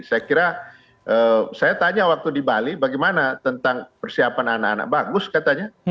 saya tanya waktu di bali bagaimana tentang persiapan anak anak bagus katanya